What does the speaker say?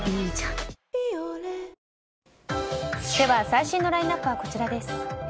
最新のラインアップはこちらです。